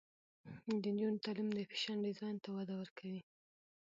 د نجونو تعلیم د فیشن ډیزاین ته وده ورکوي.